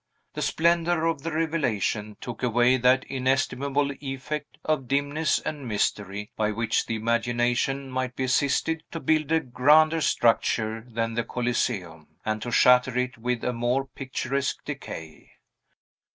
The splendor of the revelation took away that inestimable effect of dimness and mystery by which the imagination might be assisted to build a grander structure than the Coliseum, and to shatter it with a more picturesque decay.